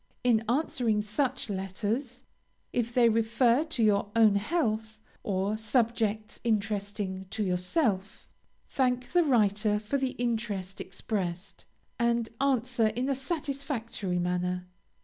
In answering such letters, if they refer to your own health or subjects interesting to yourself, thank the writer for the interest expressed, and answer in a satisfactory manner.